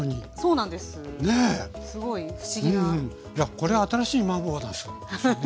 これ新しいマーボーなすですよね